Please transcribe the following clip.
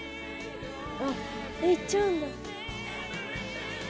行っちゃうんだ。